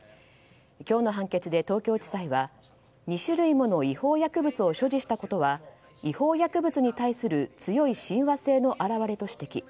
今日の判決で東京地裁は２種類もの違法薬物を所持したことは違法薬物に対する強い親和性の表れと指摘。